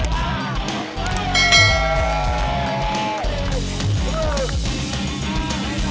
damai deh kalau gitu deh